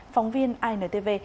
phóng viên intv